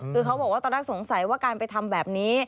คือเขาบอกว่าตอนแรกสงสัยว่าการไปทำแบบนี้